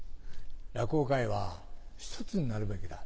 落語界は１つになるべきだ。